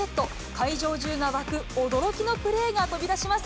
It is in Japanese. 会場中が沸く驚きのプレーが飛び出します。